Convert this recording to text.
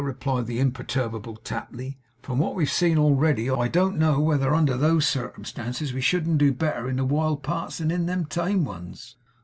replied the imperturbable Tapley; 'from what we've seen already, I don't know whether, under those circumstances, we shouldn't do better in the wild parts than in the tame ones.